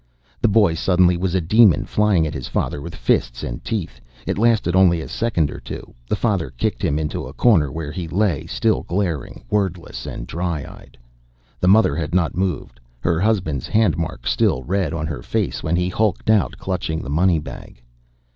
The boy suddenly was a demon, flying at his father with fists and teeth. It lasted only a second or two. The father kicked him into a corner where he lay, still glaring, wordless and dry eyed. The mother had not moved; her husband's handmark was still red on her face when he hulked out, clutching the money bag.